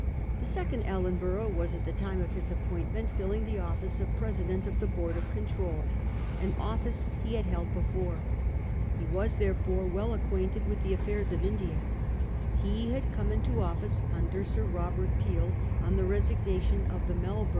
The second Ellenborough was at the time of his appointment filling the office of Presi dent of the Board of Control, an office he had held before. He was therefore well acquainted with the affairs of India. He had come into office under Sir Robert Peel on the resignation of the Melbourne 1842.